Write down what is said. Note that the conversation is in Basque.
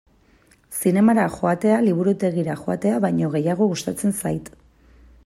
Zinemara joatea liburutegira joatea baino gehiago gustatzen zait.